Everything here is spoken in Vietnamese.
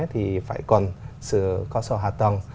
thì phải cần sự cơ sở hạ tầng